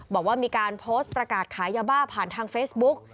บอกว่ามีการโพสต์ประกาศขายยาบ้าผ่านทางเฟซบุ๊ก